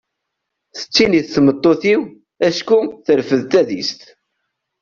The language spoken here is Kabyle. Tettinnit tmeṭṭut-iw acku terfed tadist.